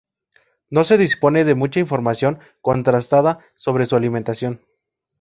No se dispone de mucha información contrastada sobre su alimentación.